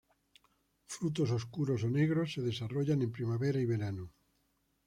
Frutos oscuros o negros se desarrollan en primavera y verano.